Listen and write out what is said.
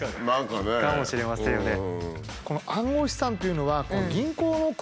かもしれませんよね。